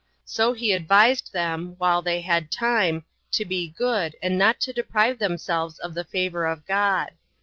So he advised them, while they had time, to be good, and not to deprive themselves of the favor of God.